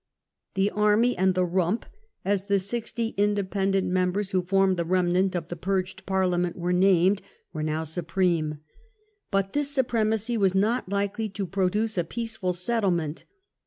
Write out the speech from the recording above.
The Army and the "Rump" (as the sixty Independent members who formed the remnant of the purged Parlia ment were named) were now supreme. But ^ provisional this supremacy was not likely to produce a government, peaceful settlement.